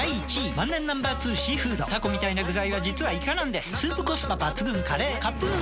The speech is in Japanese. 万年Ｎｏ．２「シーフード」タコみたいな具材は実はイカなんですスープコスパ抜群「カレー」！